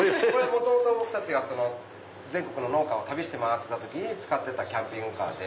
元々僕たちが全国の農家を旅して回ってた時に使ってたキャンピングカーで。